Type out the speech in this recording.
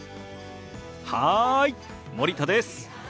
はい森田です。